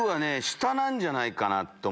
下なんじゃないかと。